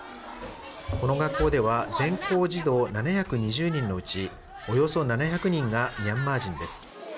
この学校では、全校児童７２０人のうち、およそ７００人がミャンマー人です。